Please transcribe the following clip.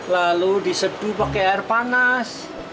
lalu diseduh pakai air panas